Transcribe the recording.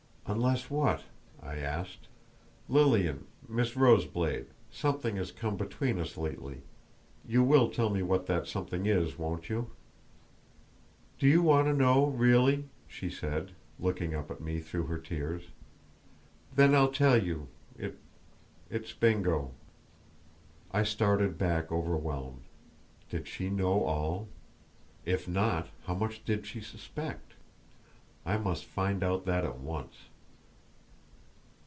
"Unless, what?" I asked. "Lilian—Miss Roseblade, something has come between us lately; you will tell me what that something is, won't you?" "Do you want to know really?" she said, looking up at me through her tears. "Then I'll tell you; it—it's Bingo!" I started back overwhelmed. Did she know all? If not, how much did she suspect? I must find out that at once.